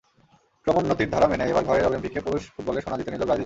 ক্রমোন্নতির ধারা মেনে এবার ঘরের অলিম্পিকে পুরুষ ফুটবলের সোনা জিতে নিল ব্রাজিল।